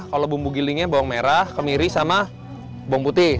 kalau bumbu gilingnya bawang merah kemiri sama bawang putih